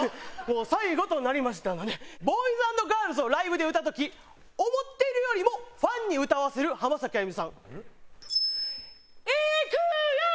最後となりましたので『Ｂｏｙｓ＆Ｇｉｒｌｓ』をライブで歌う時思ってるよりもファンに歌わせる浜崎あゆみさん。いくよ！